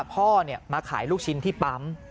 พ่อมาขายลูกชิ้นที่ปั๊ม